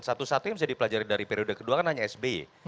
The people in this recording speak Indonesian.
satu satu yang bisa dipelajari dari periode kedua kan hanya sby